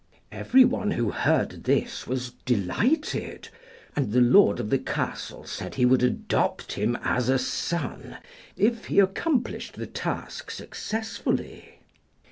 Every one who heard this was delighted, and the Lord of the castle said he would adopt him as a son if he accomplished the task successfully.